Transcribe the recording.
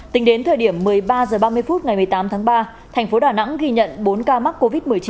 tính đến thời điểm một mươi ba h ba mươi phút ngày một mươi tám tháng ba tp đà nẵng ghi nhận bốn ca mắc